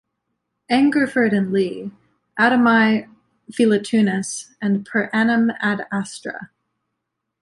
Angerford and Lea, Adamai Philotunus and Per Anum Ad Astra.